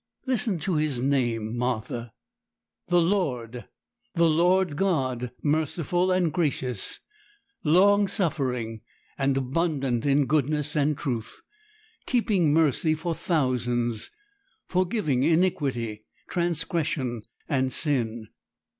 Listen to His name, Martha: "The Lord, the Lord God, merciful and gracious, long suffering, and abundant in goodness and truth, keeping mercy for thousands, forgiving iniquity, transgression, and sin."